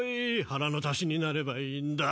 はらの足しになればいいんだ。